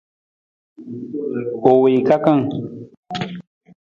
U wii kakang.